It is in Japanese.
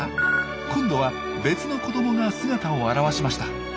今度は別の子どもが姿を現しました。